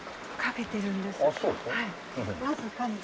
わずかに。